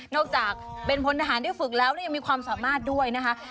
จากเป็นพลทหารที่ฝึกแล้วยังมีความสามารถด้วยนะคะ